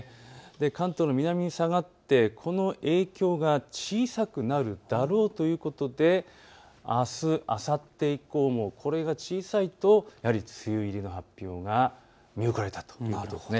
関東の南に下がってこの影響が小さくなるだろうということであす、あさって以降もこれが小さいとやはり梅雨入りの発表が見送られたと。